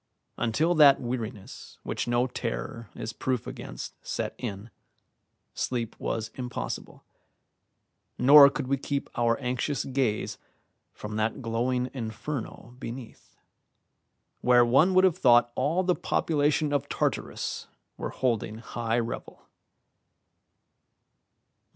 Until that weariness which no terror is proof against set in, sleep was impossible, nor could we keep our anxious gaze from that glowing inferno beneath, where one would have thought all the population of Tartarus were holding high revel.